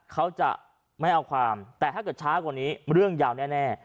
เขาจะไม่เอาความแต่ถ้าเกิดช้ากว่านี้เรื่องยาวแน่